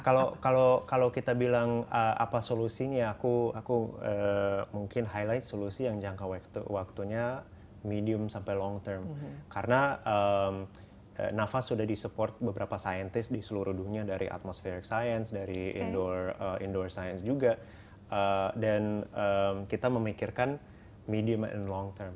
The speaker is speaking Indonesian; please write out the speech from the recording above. kalau kalau kalau kita bilang apa solusinya aku aku mungkin highlight